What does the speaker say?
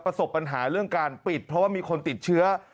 ประสบปัญหาเรื่องการปิดเพราะว่ามีคนติดเชื้อ